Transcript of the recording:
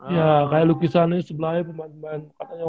ya kayak lukisan ini seblahnya pemain pemain